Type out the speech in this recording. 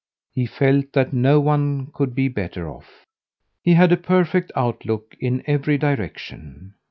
He felt that no one could be better off. He had a perfect outlook in every direction.